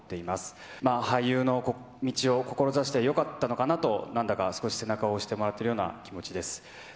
まあ、俳優の道を志してよかったのかなと、なんだか、少し背中を押してもらっているような気持ちです。